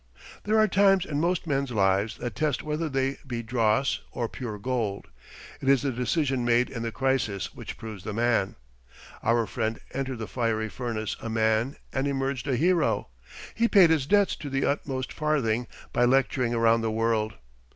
There are times in most men's lives that test whether they be dross or pure gold. It is the decision made in the crisis which proves the man. Our friend entered the fiery furnace a man and emerged a hero. He paid his debts to the utmost farthing by lecturing around the world.